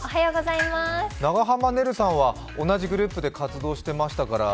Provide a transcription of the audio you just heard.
長濱ねるさんは同じグループで活動してましたから